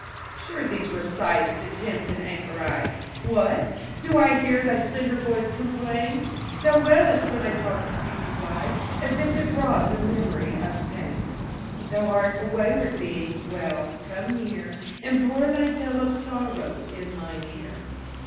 Sure these were sights to tempt an anchorite! What! do I hear thy slender voice complain? Thou wailest when I talk of beauty's light, As if it brought the memory of pain. Thou art a wayward being well, come near, And pour thy tale of sorrow in mine ear.